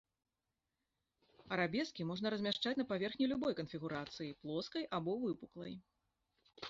Арабескі можна размяшчаць на паверхні любой канфігурацыі, плоскай або выпуклай.